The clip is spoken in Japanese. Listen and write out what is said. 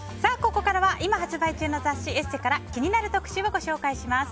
ここからは今発売中の雑誌「ＥＳＳＥ」から気になる特集をご紹介します。